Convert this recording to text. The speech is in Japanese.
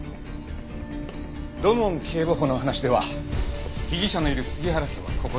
土門警部補の話では被疑者のいる杉原家はここだ。